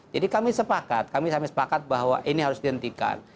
jadi kami sepakat kami sama sepakat bahwa ini harus dihentikan